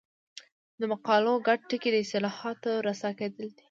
د مقالو ګډ ټکی د اصطلاحاتو رسا کېدل دي.